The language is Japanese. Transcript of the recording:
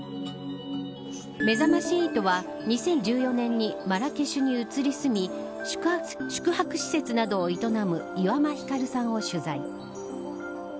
めざまし８は、２０１４年にマラケシュに移り住み宿泊施設などを営む岩間ひかるさんを取材。